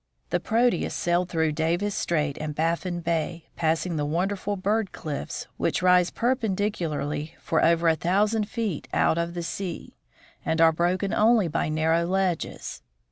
The Proteus sailed through Davis strait and Baffin bay, passing the wonderful "bird cliffs," which rise perpendicularly for 81 82 THE FROZEN NORTH over a thousand feet out of the sea, and are broken only by narrow ledges.